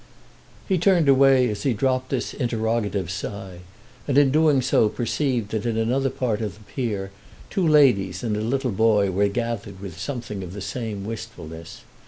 He turned away as he dropped this interrogative sigh, and in doing so perceived that in another part of the pier two ladies and a little boy were gathered with something of the same wistfulness.